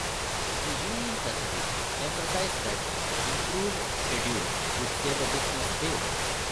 The Union Pacific emphasized that the improved schedule would save a business day.